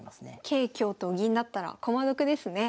桂香と銀だったら駒得ですね。